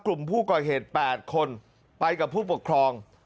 กลุ่มผู้ก่อเหตุ๘คนไปกับผู้ปกครอง